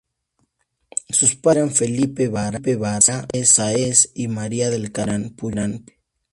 Sus padres eran Felipe Vara Sáez y María del Carmen Terán Puyol.